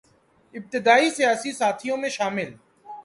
ابتدائی سیاسی ساتھیوں میں شامل